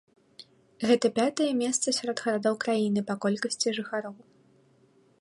Гэта пятае месца сярод гарадоў краіны па колькасці жыхароў.